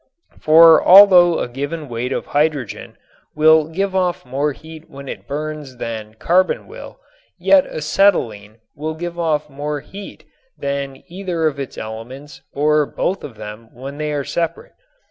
For although a given weight of hydrogen will give off more heat when it burns than carbon will, yet acetylene will give off more heat than either of its elements or both of them when they are separate.